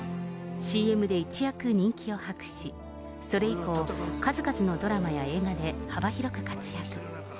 ＣＭで一躍人気を博し、それ以降、数々のドラマや映画で、幅広く活躍。